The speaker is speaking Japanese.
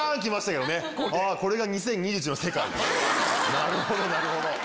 なるほどなるほど。